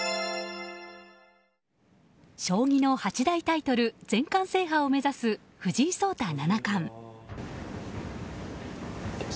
将棋の八大タイトル全冠制覇を目指す藤井聡太七冠。